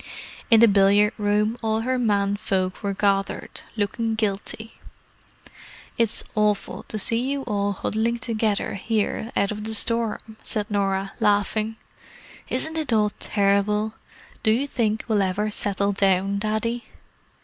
In the billiard room all her men folk were gathered, looking guilty. "It's awful to see you all huddling together here out of the storm!" said Norah, laughing. "Isn't it all terrible! Do you think we'll ever settle down, Daddy?"